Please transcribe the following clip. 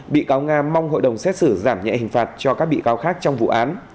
bị cáo nga mong hội đồng xét xử giảm nhẹ hình phạt cho các bị cáo khác trong vụ án